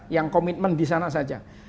yang komitmen di sana saja